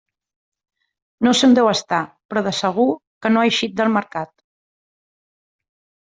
No sé on deu estar, però de segur que no ha eixit del Mercat.